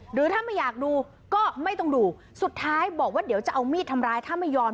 หรือถ้าไม่อยากดูก็ไม่ต้องดูสุดท้ายบอกว่าเดี๋ยวจะเอามีดทำร้ายถ้าไม่ยอม